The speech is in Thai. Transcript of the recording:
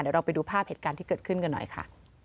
เดี๋ยวเราไปดูภาพเหตุการณ์ที่เกิดขึ้นกันหน่อยค่ะ